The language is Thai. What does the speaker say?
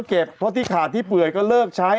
อยากเก็บก็เก็บเพราะที่ขาดที่เปื่อยก็เลิกใช้